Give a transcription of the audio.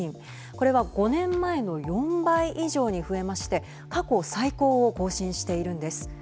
これは５年前の４倍以上に増えまして過去最高を更新しているんです。